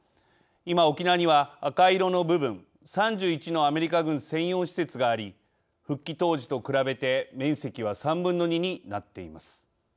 今、沖縄には赤色の部分３１のアメリカ軍専用施設があり復帰当時と比べて面積は３分の２になっています。